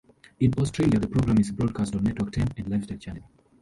In Australia, the program is broadcast on Network Ten and Lifestyle Channel.